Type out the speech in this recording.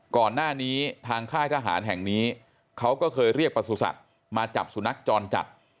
ก่อนหน้านี้ทางค่ายทหารแห่งนี้เขาก็เคยเรียกประสุทธิ์มาจับสุนัขจรจัด